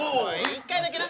一回だけな。